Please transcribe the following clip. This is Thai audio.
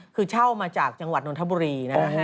คือเช่ามาจากจังหวัดนทบุรีนะฮะ